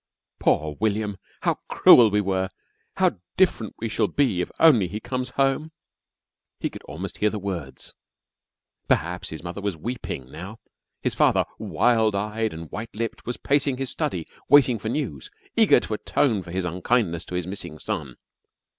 "Poor William! How cruel we were! How different we shall be if only he comes home ...!" He could almost hear the words. Perhaps his mother was weeping now. His father wild eyed and white lipped was pacing his study, waiting for news, eager to atone for his unkindness to his missing son.